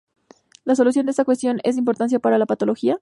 La solución de esta cuestión, ¿es de importancia para la patología?